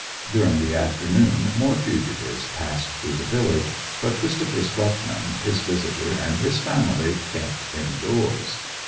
During the afternoon more fugitives passed through the village, but Christopher Swetman, his visitor, and his family kept indoors.